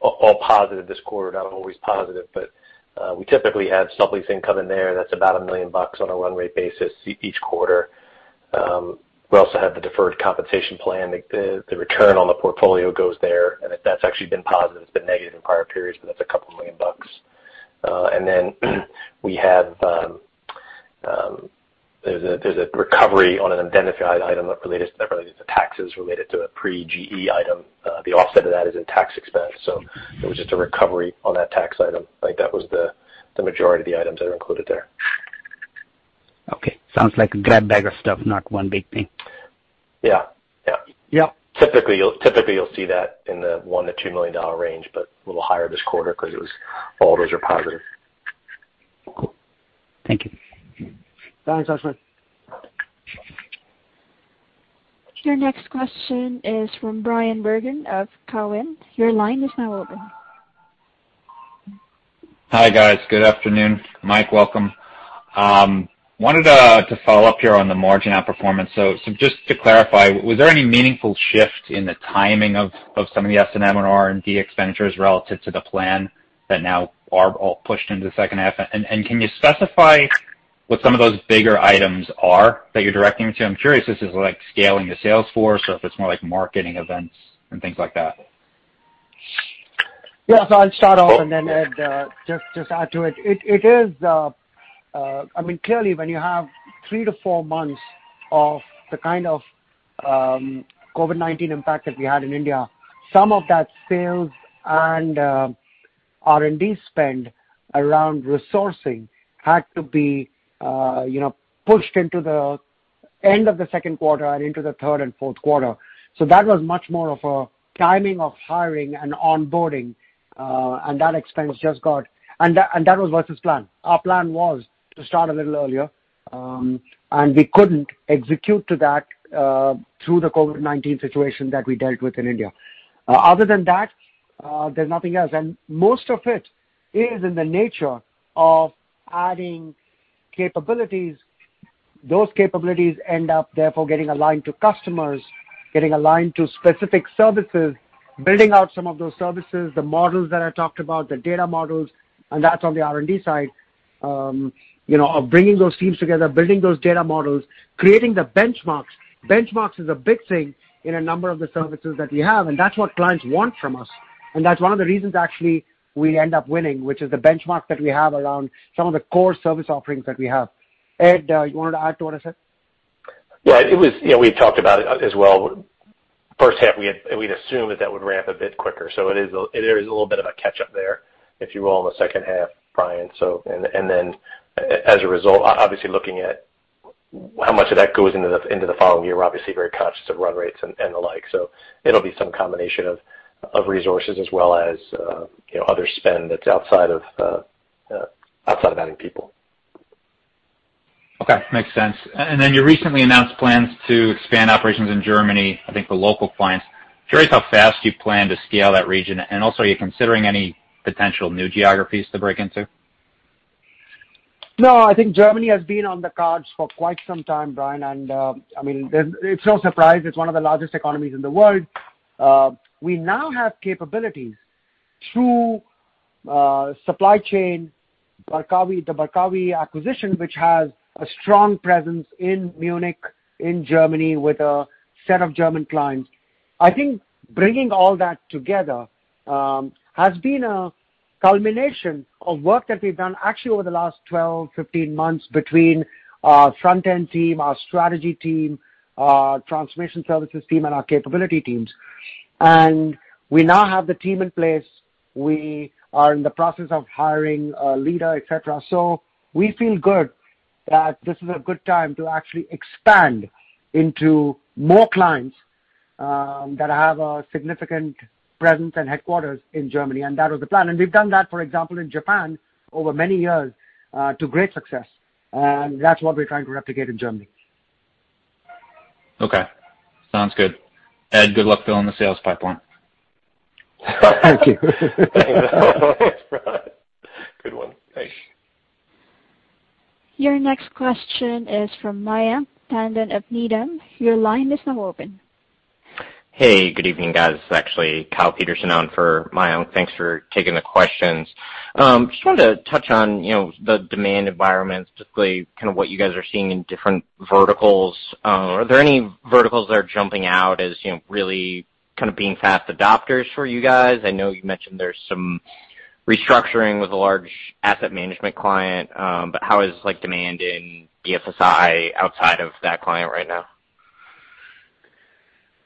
all positive this quarter, not always positive, but we typically have sublease income in there. That's about $1 million on a run rate basis each quarter. We also have the deferred compensation plan. The return on the portfolio goes there. That's actually been positive. It's been negative in prior periods, but that's $2 million. There's a recovery on an identified item not related to taxes, related to a pre-GE item. The offset of that is in tax expense. It was just a recovery on that tax item. That was the majority of the items that are included there. Okay. Sounds like a grab bag of stuff, not one big thing. Yeah. Yeah. Typically, you'll see that in the $1 million-$2 million range, but a little higher this quarter because all those are positive. Cool. Thank you. Thanks, Ashwin. Your next question is from Bryan Bergin of Cowen. Your line is now open. Hi, guys. Good afternoon. Mike, welcome. I wanted to follow up here on the margin outperformance. Just to clarify, was there any meaningful shift in the timing of some of the S&M or R&D expenditures relative to the plan that now are all pushed into the second half? Can you specify what some of those bigger items are that you're directing to? I'm curious if this is like scaling the sales force or if it's more like marketing events and things like that. Yeah. I'll start off and then Ed, just add to it. Clearly, when you have three to four months of the kind of COVID-19 impact that we had in India, some of that sales and R&D spend around resourcing had to be pushed into the end of the second quarter and into the third and fourth quarter. That was much more of a timing of hiring and onboarding. That was versus plan. Our plan was to start a little earlier, and we couldn't execute to that, through the COVID-19 situation that we dealt with in India. Other than that, there's nothing else. Most of it is in the nature of adding capabilities. Those capabilities end up therefore getting aligned to customers, getting aligned to specific services, building out some of those services, the models that I talked about, the data models, and that's on the R&D side. Of bringing those teams together, building those data models, creating the benchmarks. Benchmarks is a big thing in a number of the services that we have, and that's what clients want from us. That's one of the reasons, actually, we end up winning, which is the benchmark that we have around some of the core service offerings that we have. Ed, you wanted to add to what I said? Yeah. We talked about it as well. First half, we'd assumed that that would ramp a bit quicker. There is a little bit of a catch-up there if you will, in the second half, Bryan. As a result, obviously, looking at how much of that goes into the following year, we're obviously very conscious of run rates and the like. It'll be some combination of resources as well as other spend that's outside of adding people. Okay. Makes sense. You recently announced plans to expand operations in Germany, I think, for local clients. Curious how fast you plan to scale that region, and also, are you considering any potential new geographies to break into? No, I think Germany has been on the cards for quite some time, Bryan. It's no surprise. It's one of the largest economies in the world. We now have capabilities through supply chain, the Barkawi acquisition, which has a strong presence in Munich, in Germany, with a set of German clients. I think bringing all that together has been a culmination of work that we've done actually, over the last 12, 15 months between our front-end team, our strategy team, our transformation services team, and our capability teams. We now have the team in place. We are in the process of hiring a leader, et cetera. We feel good that this is a good time to actually expand into more clients that have a significant presence and headquarters in Germany. That was the plan. We've done that, for example, in Japan over many years, to great success. That's what we're trying to replicate in Germany. Okay. Sounds good. Ed, good luck filling the sales pipeline. Thank you. Good one. Thanks. Your next question is from Mayank Tandon of Needham. Your line is now open. Hey, good evening, guys. This is actually Kyle Peterson on for Mayank. Thanks for taking the questions. Just wanted to touch on the demand environment, specifically what you guys are seeing in different verticals. Are there any verticals that are jumping out as really being fast adopters for you guys? I know you mentioned there's some restructuring with a large asset management client. How is demand in BFSI outside of that client right now?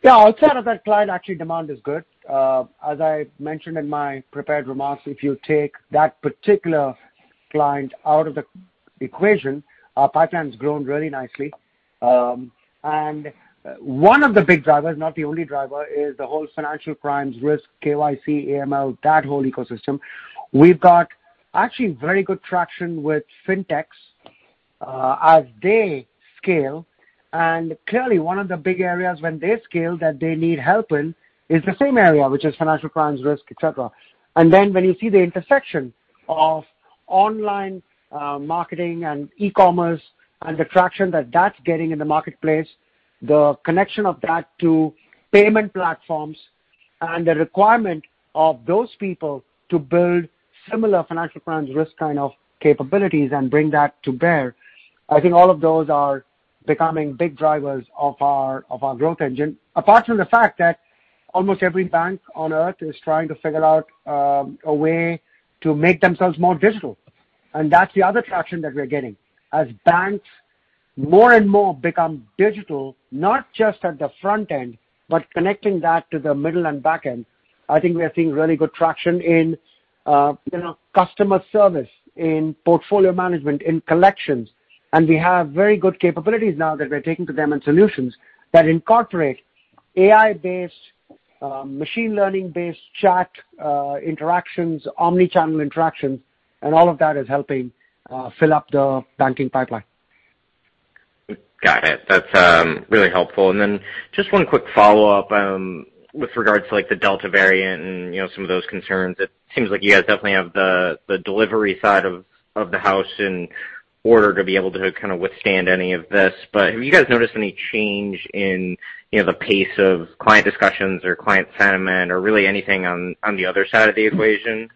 Yeah. Outside of that client, actually, demand is good. As I mentioned in my prepared remarks, if you take that particular client out of the equation, our pipeline's grown really nicely. One of the big drivers, not the only driver, is the whole financial crimes, risk, KYC, AML, that whole ecosystem. We've got actually very good traction with Fintechs, as they scale. Clearly one of the big areas when they scale that they need help in is the same area, which is financial crimes risk, et cetera. When you see the intersection of online marketing and e-commerce and the traction that that's getting in the marketplace, the connection of that to payment platforms and the requirement of those people to build similar financial crimes risk kind of capabilities and bring that to bear, I think all of those are becoming big drivers of our growth engine. Apart from the fact that almost every bank on Earth is trying to figure out a way to make themselves more digital, that's the other traction that we're getting. As banks more and more become digital, not just at the front end, but connecting that to the middle and back end, I think we are seeing really good traction in customer service, in portfolio management, in collections. We have very good capabilities now that we're taking to them in solutions that incorporate AI-based, machine learning-based chat interactions, omnichannel interactions, all of that is helping fill up the banking pipeline. Got it. That's really helpful. Then just one quick follow-up, with regards to the Delta variant and some of those concerns. It seems like you guys definitely have the delivery side of the house in order to be able to withstand any of this. Have you guys noticed any change in the pace of client discussions or client sentiment or really anything on the other side of the equation,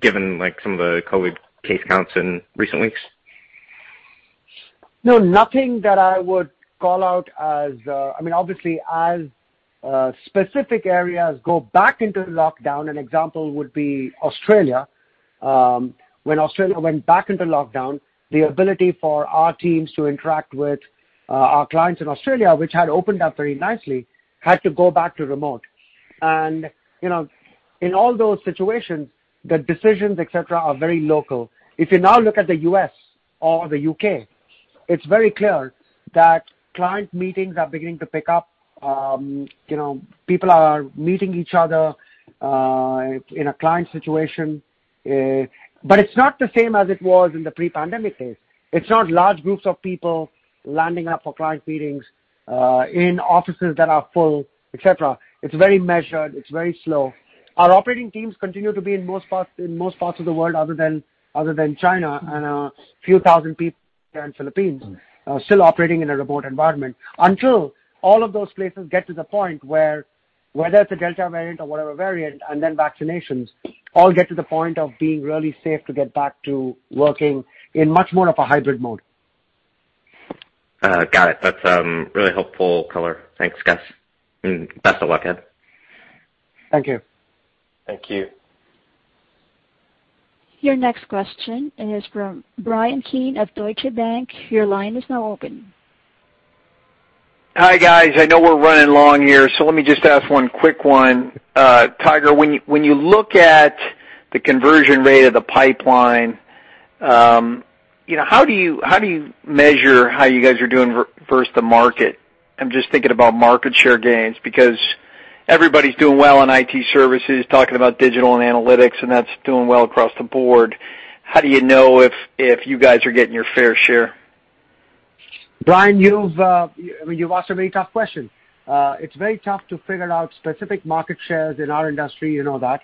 given some of the COVID-19 case counts in recent weeks? No, nothing that I would call out as specific areas go back into lockdown, an example would be Australia. When Australia went back into lockdown, the ability for our teams to interact with our clients in Australia, which had opened up very nicely, had to go back to remote. In all those situations, the decisions, et cetera, are very local. If you now look at the U.S. or the U.K., it's very clear that client meetings are beginning to pick up. People are meeting each other in a client situation. It's not the same as it was in the pre-pandemic days. It's not large groups of people landing up for client meetings, in offices that are full, et cetera. It's very measured. It's very slow. Our operating teams continue to be in most parts of the world other than China, and a few thousand people in Philippines are still operating in a remote environment. Until all of those places get to the point where, whether it's a Delta variant or whatever variant, and then vaccinations, all get to the point of being really safe to get back to working in much more of a hybrid mode. Got it. That's really helpful color. Thanks, guys, and best of luck, Ed. Thank you. Thank you. Your next question is from Bryan Keane of Deutsche Bank. Your line is now open. Hi, guys. I know we're running long here, so let me just ask one quick one. Tiger, when you look at the conversion rate of the pipeline, how do you measure how you guys are doing versus the market? I'm just thinking about market share gains, because everybody's doing well in IT services, talking about digital and analytics, and that's doing well across the board. How do you know if you guys are getting your fair share? Bryan, you've asked a very tough question. It's very tough to figure out specific market shares in our industry, you know that.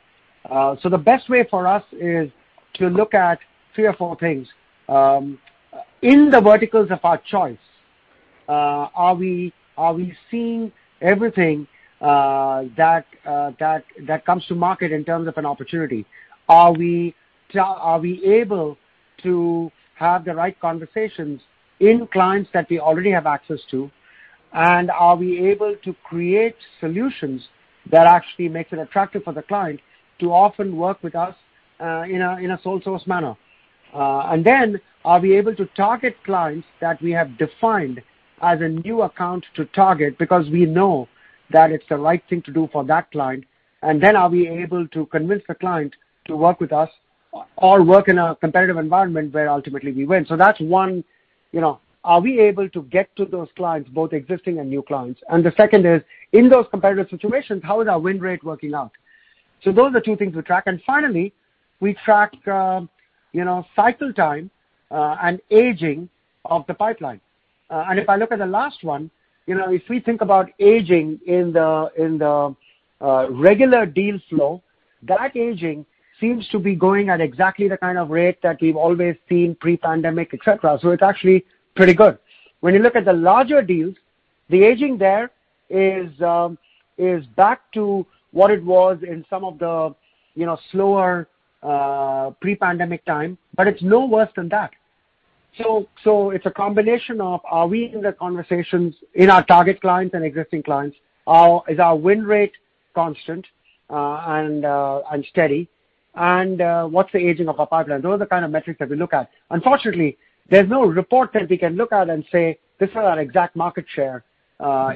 The best way for us is to look at three or four things. In the verticals of our choice, are we seeing everything that comes to market in terms of an opportunity? Are we able to have the right conversations in clients that we already have access to? Are we able to create solutions that actually makes it attractive for the client to often work with us in a sole source manner? Then are we able to target clients that we have defined as a new account to target because we know that it's the right thing to do for that client? Then are we able to convince the client to work with us or work in a competitive environment where ultimately we win? That's one, are we able to get to those clients, both existing and new clients? The second is, in those competitive situations, how is our win rate working out? Those are two things we track. Finally, we track cycle time and aging of the pipeline. If I look at the last one, if we think about aging in the regular deal flow, that aging seems to be going at exactly the kind of rate that we've always seen pre-pandemic, et cetera. It's actually pretty good. When you look at the larger deals, the aging there is back to what it was in some of the slower pre-pandemic time, but it's no worse than that. It's a combination of are we in the conversations in our target clients and existing clients. Is our win rate constant and steady? What's the aging of our pipeline? Those are the kind of metrics that we look at. Unfortunately, there's no report that we can look at and say, "This is our exact market share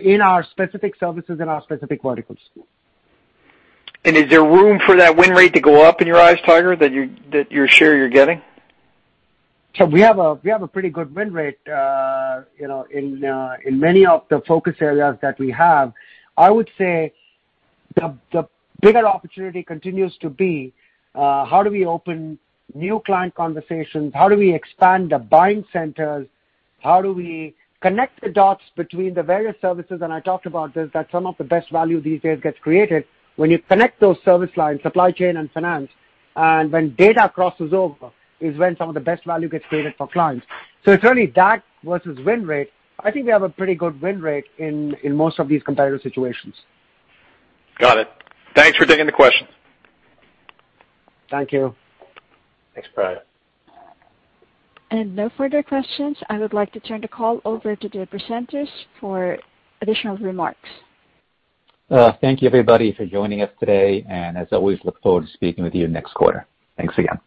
in our specific services, in our specific verticals. Is there room for that win rate to go up in your eyes, Tiger, that you're sure you're getting? We have a pretty good win rate in many of the focus areas that we have. I would say the bigger opportunity continues to be, how do we open new client conversations? How do we expand the buying centers? How do we connect the dots between the various services? I talked about this, that some of the best value these days gets created when you connect those service lines, supply chain and finance, and when data crosses over is when some of the best value gets created for clients. It's really that versus win rate. I think we have a pretty good win rate in most of these competitive situations. Got it. Thanks for taking the questions. Thank you. Thanks, Bryan. No further questions. I would like to turn the call over to the presenters for additional remarks. Thank you, everybody, for joining us today. As always, look forward to speaking with you next quarter. Thanks again.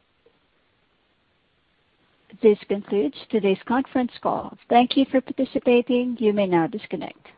This concludes today's conference call. Thank you for participating. You may now disconnect.